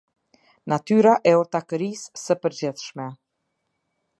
Natyra e Ortakërisë së Përgjithshme.